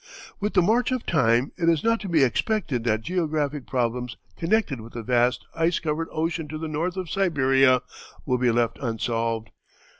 With the march of time it is not to be expected that geographic problems connected with the vast ice covered ocean to the north of Siberia will be left unsolved.